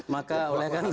maka oleh karena itu